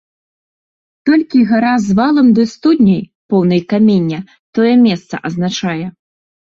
Толькі гара з валам ды студняй, поўнай камення, тое месца азначае.